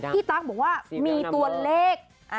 ตั๊กบอกว่ามีตัวเลข